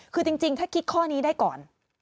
คือจริงถ้าคิดข้อนี้ได้ก่อน